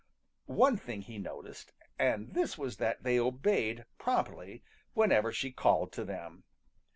One thing he noticed, and this was that they obeyed promptly whenever she called to them.